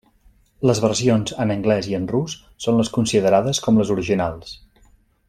Les versions en anglès i en rus són les considerades com les originals.